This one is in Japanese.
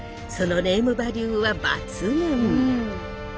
そのネームバリューは抜群。